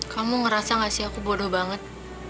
kamu ngerasa gak sih aku bodoh banget